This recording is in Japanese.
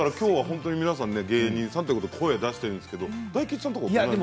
皆さん芸人さんということで声を出しているんですけれども大吉さんは？